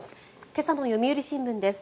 今朝の読売新聞です。